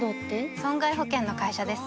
損害保険の会社です